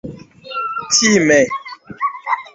time